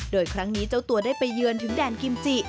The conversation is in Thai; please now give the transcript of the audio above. โดยครั้งนี้เจ้าตัวได้ไปเยือนถึงแดนกิมจิ